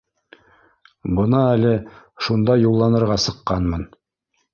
Бына әле шунда юлланырға сыҡҡанмын